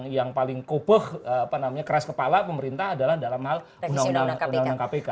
yang paling koboh keras kepala pemerintah adalah dalam hal undang undang kpk